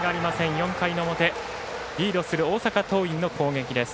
４回の表リードする大阪桐蔭の攻撃です。